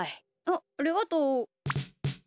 あっありがとう。